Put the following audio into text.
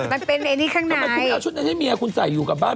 มันเป็นไอ้นี่ข้างในทำไมคุณไม่เอาชุดนั้นให้เมียคุณใส่อยู่กับบ้าน